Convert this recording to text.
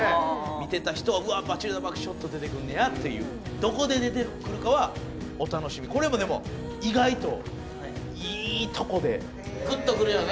見てた人は「わあバチルダ・バグショット出てくんねや」っていうどこで出てくるかはお楽しみこれもでも意外といいとこでグッとくるよね